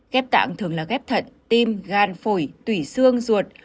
ghép tạng thường là ghép thận tim gan phổi tủy xương ruột